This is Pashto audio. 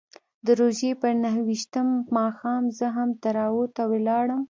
د روژې پر نهه ویشتم ماښام زه هم تراویحو ته ولاړم.